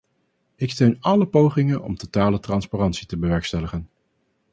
Ik steun alle pogingen om totale transparantie te bewerkstelligen.